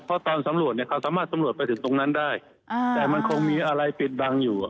เพราะตอนสำรวจเนี่ยเขาสามารถสำรวจไปถึงตรงนั้นได้แต่มันคงมีอะไรปิดบังอยู่